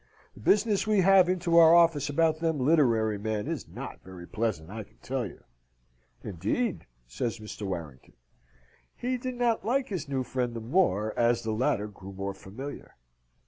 The business we have into our office about them literary men is not very pleasant, I can tell you." "Indeed!" says Mr. Warrington. He did not like his new friend the more as the latter grew more familiar.